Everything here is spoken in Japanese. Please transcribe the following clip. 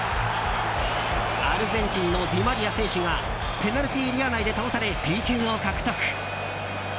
アルゼンチンのディマリア選手がペナルティーエリア内で倒されＰＫを獲得。